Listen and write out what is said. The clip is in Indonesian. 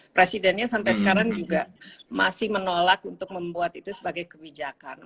presidennya sampai sekarang juga masih menolak untuk membuat itu sebagai kebijakan